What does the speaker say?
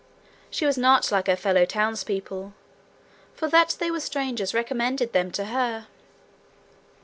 She was not like her fellow townspeople, for that they were strangers recommended them to her.